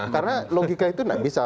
karena logika itu tidak bisa